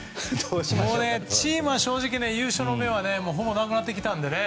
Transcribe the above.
もうねチームは正直、優勝の目はほぼなくなってきたのでね。